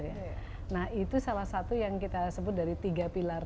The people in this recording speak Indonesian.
orang dan itu kan mentalitas gitu ya nah itu salah satu yang kita sebut dari tiga pilar